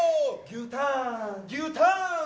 牛ターン！